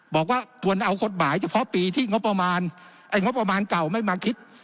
บอกว่าควรเอากฎหมายเฉพาะปีที่งบประมาณไอ้งบประมาณเก่าไม่มาคิด